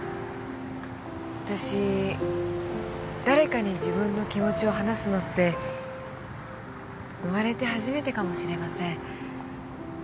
わたし誰かに自分の気持ちを話すのって生まれて初めてかもしれません。